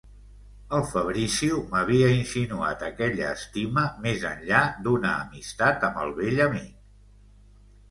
El Fabrizio m'havia insinuat aquella estima més enllà d'una amistat amb el vell amic...